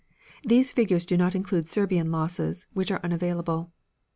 These figures do not include Serbian losses, which are unavailable.